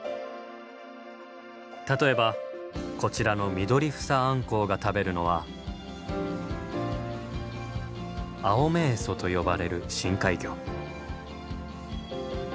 例えばこちらのミドリフサアンコウが食べるのはアオメエソと呼ばれる深海魚。